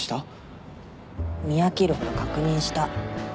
見飽きるほど確認した。